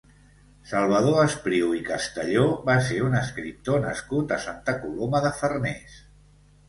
Salvador Espriu i Castelló va ser un escriptor nascut a Santa Coloma de Farners.